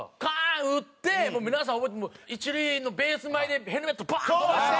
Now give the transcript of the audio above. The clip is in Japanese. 打ってもう皆さん覚えてる一塁のベース前でヘルメットバーン飛ばして。